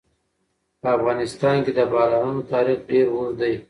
په افغانستان کې د بارانونو تاریخ ډېر اوږد دی.